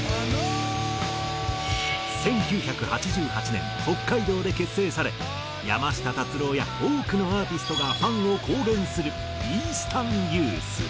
１９８８年北海道で結成され山下達郎や多くのアーティストがファンを公言するｅａｓｔｅｒｎｙｏｕｔｈ。